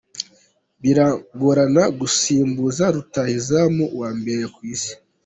Biragorana gusimbuza rutahizamu wa mbere ku isi.